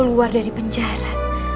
keluar dari penjara